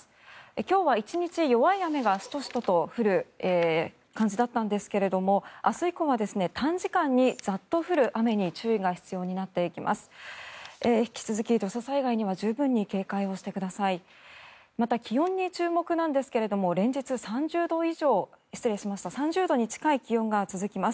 今日は１日、弱い雨がシトシトと降る感じだったんですが明日以降は短時間にザッと降る雨に注意が必要になっていきます。